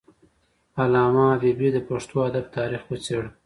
علامه حبيبي د پښتو ادب تاریخ وڅیړه.